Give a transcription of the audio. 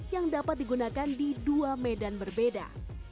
yang dapat digunakan di dua medan berbeda